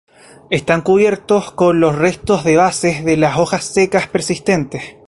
Están cubiertos con los restos de bases de las hojas secas persistentes.